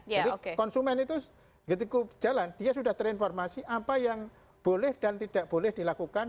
jadi konsumen itu ketika jalan dia sudah terinformasi apa yang boleh dan tidak boleh dilakukan